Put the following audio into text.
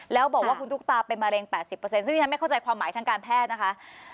แล้วบอกว่าคุณตุ๊กตาเป็นมะเร็ง๘๐ซึ่งที่ฉันไม่เข้าใจความหมายทางการแพทย์นะคะ